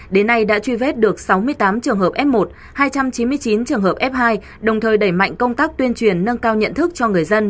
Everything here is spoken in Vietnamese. đến nay đã truy vết được sáu mươi tám trường hợp f một hai trăm chín mươi chín trường hợp f hai đồng thời đẩy mạnh công tác tuyên truyền nâng cao nhận thức cho người dân